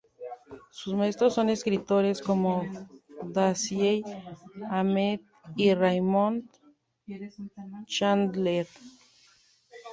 Sus maestros son escritores como Dashiell Hammett y Raymond Chandler.